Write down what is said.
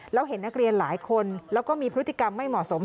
แล้วเห็นนักเรียนหลายคนแล้วก็มีพฤติกรรมไม่เหมาะสม